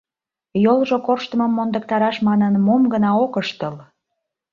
Йолжо корштымым мондыктараш манын, мом гына ок ыштыл!